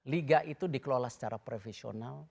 liga itu dikelola secara profesional